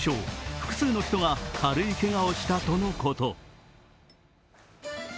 複数の人が軽いけがをしたとのこと。